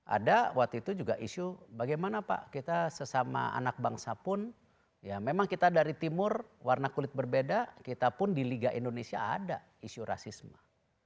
ada waktu itu juga isu bagaimana pak kita sesama anak bangsa pun ya memang kita dari timur warna kulit berbeda kita pun di liga indonesia ada isu rasisme